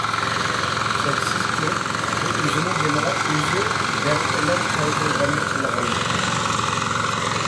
شەكسىزكى، بۇ ئۆزىنىڭ جېنىغا ئۆزى دەرد - ئەلەم، قايغۇ - غەمنى چىللىغانلىقتۇر.